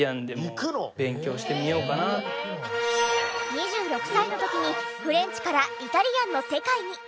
２６歳の時にフレンチからイタリアンの世界に。